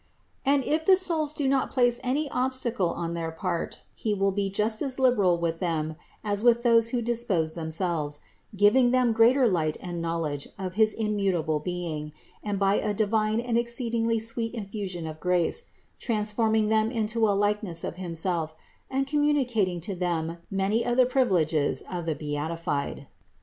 And if the souls do not place any obstacle on their part, He will be just as liberal with them as with those who dis pose themselves, giving them greater light and knowledge of his immutable being, and by a divine and exceedingly sweet infusion of grace, transforming them into a like ness of Himself and communicating to them many of 144 CITY OF GOD the privileges of the beatified.